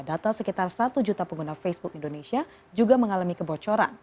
data sekitar satu juta pengguna facebook indonesia juga mengalami kebocoran